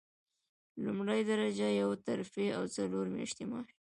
لومړۍ درجه یوه ترفیع او څلور میاشتې معاش.